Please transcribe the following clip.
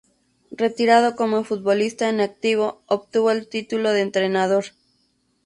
Retirado como futbolista en activo, obtuvo el título de entrenador.